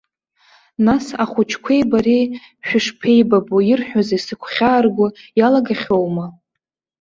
Нас, ахәыҷқәеи бареи шәышԥеибабо, ирҳәозеи, сыгәхьаарго иалагахьоума?